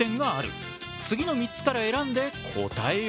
次の３つから選んで答えよ。